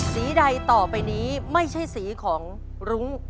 ใดต่อไปนี้ไม่ใช่สีของรุ้ง